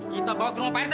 kita bawa penumpang air teh